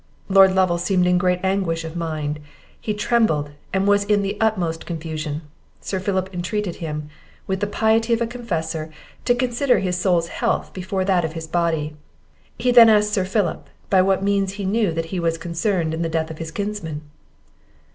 Lord Lovel seemed in great anguish of mind; he trembled, and was in the utmost confusion. Sir Philip intreated him, with the piety of a confessor, to consider his soul's health before that of his body. He then asked Sir Philip, by what means he knew that he was concerned in the death of his kinsman?